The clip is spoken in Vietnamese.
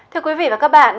thưa quý vị và các bạn